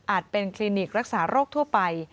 เป็นคลินิกรักษาโรคทั่วไป